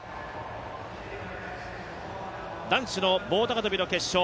男子の棒高跳の決勝